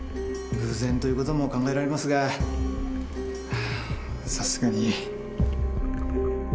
偶然ということも考えられますがさすがに。